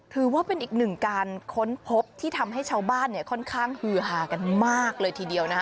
ถือว่าเป็นอีกหนึ่งการค้นพบที่ทำให้ชาวบ้านเนี่ยค่อนข้างฮือหากันมากเลยทีเดียวนะฮะ